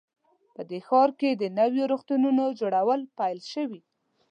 په دې ښار کې د نویو روغتونونو جوړول پیل شوي